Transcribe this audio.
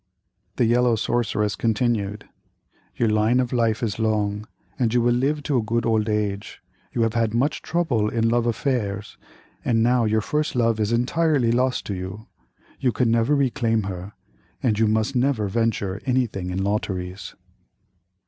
The yellow sorceress continued: "Your line of life is long, and you will live to a good old age. You have had much trouble in love affairs, and now your first love is entirely lost to you. You can never reclaim her, and you must never venture anything in lotteries."